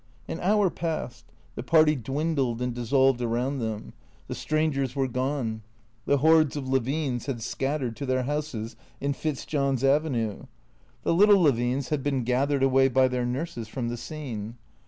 An hour passed. The party dwindled and dissolved around them. The strangers were gone. The hordes of Levines had scattered to their houses in Fitzjohn's Avenue. The little Le vines had been gathered away by their nurses from the scene.